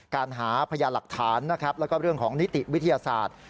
การหาพยานหลักฐานนะครับแล้วก็เรื่องของนิติวิทยาศาสตร์